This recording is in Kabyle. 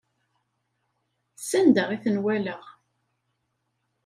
S anda i ten-walaɣ.